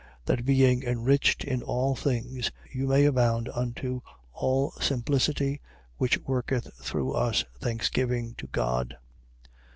That being enriched in all things, you may abound unto all simplicity which worketh through us thanksgiving to God.